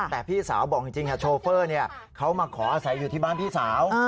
แต่พี่สาวบอกจริงโชเฟอร์เขามาขออาศัยอยู่ที่บ้านพี่สาว